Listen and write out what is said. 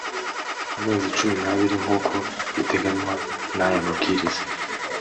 amezi cumi n’abiri nk’uko biteganywa n’aya mabwiriza